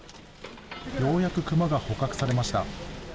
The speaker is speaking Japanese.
ようやく熊が捕獲されました。